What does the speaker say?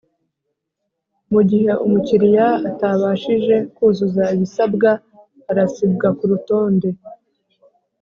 Mu gihe umukiriya atabashije kuzuza ibisabwa arasibwa kurutonde.